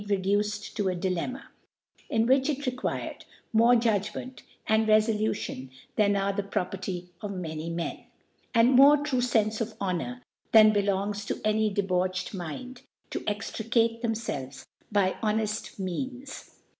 vedaced co a jDilemrpa, in which it reqpired more Judgment and Refolutipn than.are the JPrpperty of many Men^ and more true Senie pf Honour th^m bclpngs to any de bauched MU)d, to €^{rif^(e th^PPiielve^ by boneft Me^os.